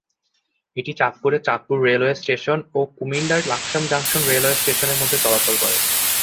এটি চাঁদপুরের Chandpur railway station ও কুমিল্লার লাকসাম জংশন রেলওয়ে স্টেশনের মধ্যে চলাচল করে।